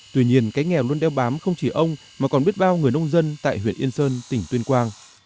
tuy nhiên cái nghèo luôn đeo bám không chỉ ông mà còn biết bao người nông dân tại huyện yên sơn tỉnh tuyên quang